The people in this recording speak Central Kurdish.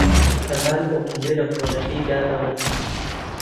کەمال ئۆتۆمبێلە کۆنەکەی دا بە من.